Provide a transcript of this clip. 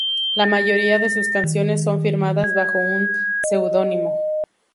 La mayoría de sus canciones son firmadas bajo un seudónimo.